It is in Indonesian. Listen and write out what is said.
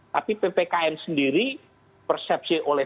tapi ppkm sendiri persepsi oleh